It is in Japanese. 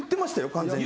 完全に。